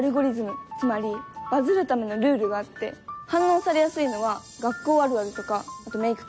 つまりバズるためのルールがあって反応されやすいのは学校あるあるとかメーク系。